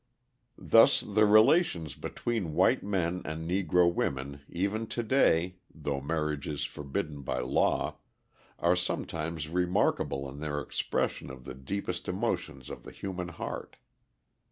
Thus the relations between white men and Negro women even to day, though marriage is forbidden by law, are sometimes remarkable in their expression of the deepest emotions of the human heart.